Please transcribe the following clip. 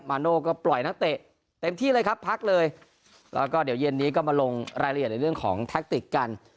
โน่ก็ปล่อยนักเตะเต็มที่เลยครับพักเลยแล้วก็เดี๋ยวเย็นนี้ก็มาลงรายละเอียดในเรื่องของแท็กติกกัน